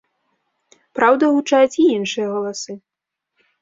Праўда, гучаць і іншыя галасы.